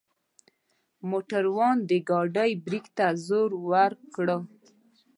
موټروان د ګاډۍ برک ته زور وکړ.